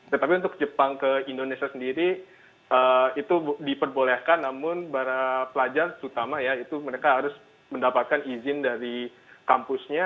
tetapi untuk jepang ke indonesia sendiri itu diperbolehkan namun para pelajar terutama ya itu mereka harus mendapatkan izin dari kampusnya